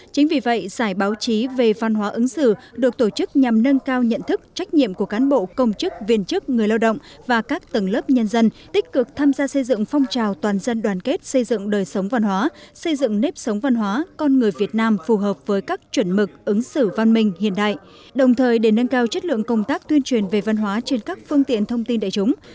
chính vì vậy giải báo chí về văn hóa ứng xử được tổ chức nhằm nâng cao nhận thức trách nhiệm của cán bộ công chức viên chức người lao động và các tầng lớp nhân dân tích cực tham gia xây dựng phong trào toàn dân đoàn kết xây dựng đời sống văn hóa xây dựng nếp sống văn hóa con người việt nam phù hợp với các chuẩn mực ứng xử văn minh hiện đại đồng thời để nâng cao chất lượng công tác tuyên truyền về văn hóa trên các phương tiện thông tin đại chúng